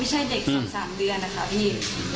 ปกติเขาก็จะร้องอยู่แล้วแต่อันนี้คือไม่ได้ยินเสียงอะไรเลย